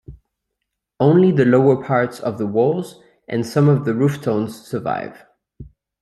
Only the lower parts of the walls and some of the roofstones survive.